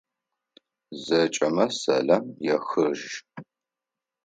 Зэкӏэмэ сэлам яхыжь.